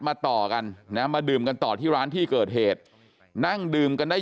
ต่อกันนะมาดื่มกันต่อที่ร้านที่เกิดเหตุนั่งดื่มกันได้